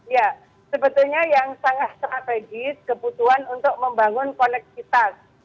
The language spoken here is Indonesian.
ya sebetulnya yang sangat strategis kebutuhan untuk membangun koneksitas